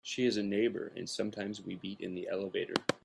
She is a neighbour, and sometimes we meet in the elevator.